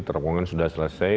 terpungan sudah selesai